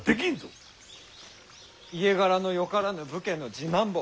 家柄のよからぬ武家の次男坊